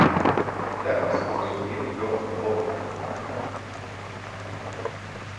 "Teraz zrozumieli go oboje."